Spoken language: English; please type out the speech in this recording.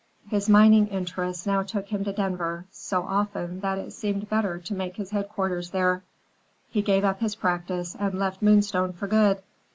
His mining interests now took him to Denver so often that it seemed better to make his headquarters there. He gave up his practice and left Moonstone for good.